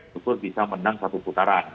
dan tentu bisa menang satu putaran